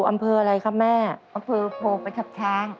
แม่ข้าว๖กิโปรตกแล้วค่ะ